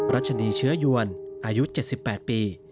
รัชนีเชื้อยวนอายุ๗๘ปี